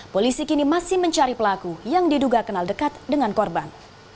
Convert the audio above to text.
polisi kini masih mencari pelaku yang diduga kenal dekat dengan korban